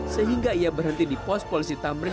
sehingga ia berhenti di pos polisi tamrin